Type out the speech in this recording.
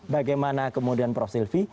bagaimana kemudian prof silvi